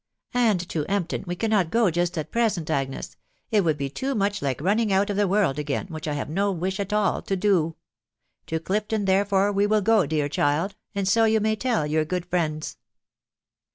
" And to Empton we cannot go just at present, Agnes .... it would be too much like running out of the world again, which I have no wish at all to do. To Clifton, there fore, we will go, dear child, and so you may tell your good friends."